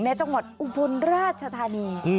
จังหวัดอุบลราชธานี